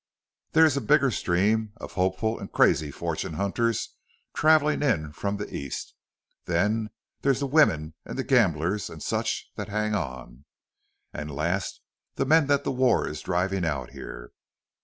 There's a bigger stream of hopeful an' crazy fortune hunters travelin' in from the East. Then there's the wimmen an' gamblers an' such thet hang on. An' last the men thet the war is drivin' out here.